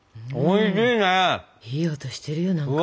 いい音してるよ何か。